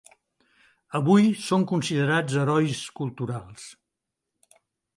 Avui son considerats herois culturals.